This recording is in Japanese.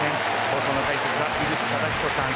放送の解説は井口資仁さん